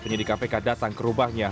penyidik kpk datang ke rumahnya